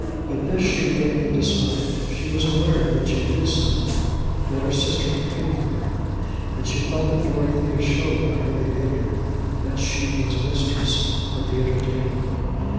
But this she greatly disliked. She was aware, when she did so, that her sister paid for her, and she thought that Dorothea showed by her behaviour that she was mistress of the entertainment.